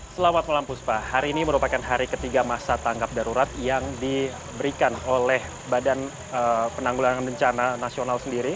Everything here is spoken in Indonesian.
selamat malam puspa hari ini merupakan hari ketiga masa tanggap darurat yang diberikan oleh badan penanggulangan bencana nasional sendiri